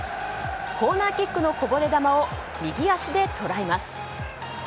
コーナーキックのこぼれ球を右足で捉えます。